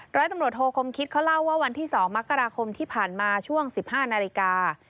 ร้อยตำรวจโทคมคิดเขาเล่าว่าวันที่๒มกราคมที่ผ่านมาช่วง๑๕นาฬิกา